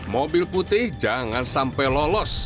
mobil putih jangan sampai lolos